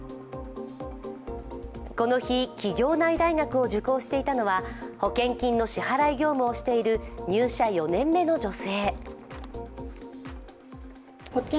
この日、企業内大学を受講していたのは保険金の支払い業務をしている入社４年目の女性。